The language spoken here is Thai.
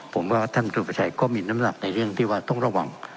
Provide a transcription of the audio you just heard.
ผมว่าท่านครูประชัยก็มีน้ำหนักในเรื่องที่ว่าต้องระวัง